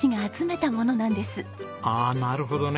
ああなるほどね。